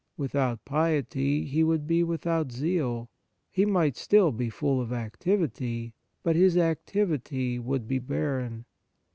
Without piety he would be without zeal ; he might still be full of activity, but his activity would be barren.